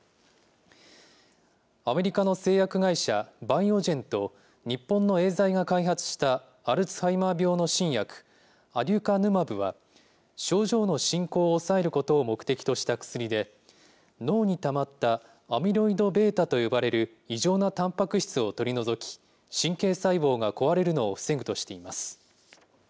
アメリカの製薬会社、バイオジェンと、日本のエーザイが開発したアルツハイマー病の新薬、アデュカヌマブは、症状の進行を抑えることを目的とした薬で、脳にたまったアミロイドβと呼ばれる異常なたんぱく質を取り除き、神経細胞が壊れるのを防ぐとしています。